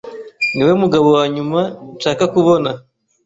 Niwe mugabo wanyuma nshaka kubona.